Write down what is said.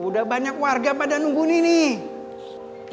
udah banyak warga pada nunggu nih